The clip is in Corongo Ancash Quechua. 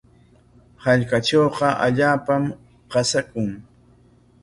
Hallqatrawqa allaapam qasaakun.